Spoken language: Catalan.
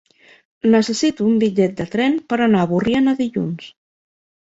Necessito un bitllet de tren per anar a Borriana dilluns.